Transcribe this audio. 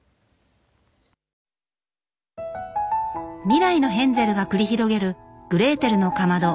未来のヘンゼルが繰り広げる「グレーテルのかまど」